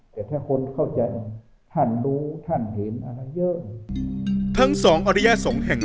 แต่ถ้าคนเขาจะคร่านลูระเยิ่มถึงสองอริยสงฆ์แห่ง